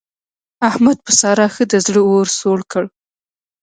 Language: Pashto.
احمد په سارا ښه د زړه اور سوړ کړ.